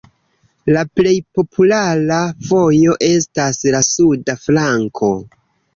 La plej populara vojo estas la suda flanko.